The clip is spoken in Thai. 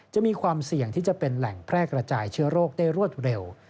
จะมีความเสี่ยงที่จะเป็นแหล่งแพร่กระจายเชื้อโรคได้รวดเร็ว